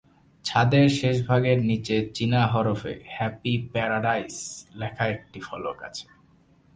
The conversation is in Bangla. ছাদের শেষভাগের নিচে চীনা হরফে "হ্যাপি প্যারাডাইস" লেখা একটি ফলক আছে।